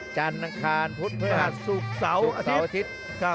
จั่นทางคลาญพุทธพรรภาษณ์สุขเสาร์อาทิตย์